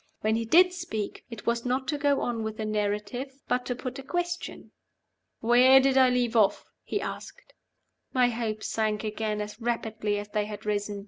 When he did speak, it was not to go on with the narrative, but to put a question. "Where did I leave off?" he asked. My hopes sank again as rapidly as they had risen.